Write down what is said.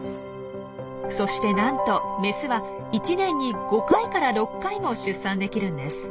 そしてなんとメスは１年に５回から６回も出産できるんです。